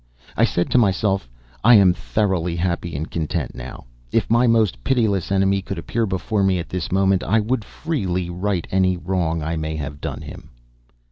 I said to myself, "I am thoroughly happy and content now. If my most pitiless enemy could appear before me at this moment, I would freely right any wrong I may have done him."